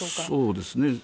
そうですね。